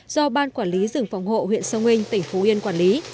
do ban quản lý rừng phòng hộ huyện sông hình tỉnh phú yên quản lý